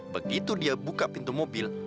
begitu dia buka pintu mobil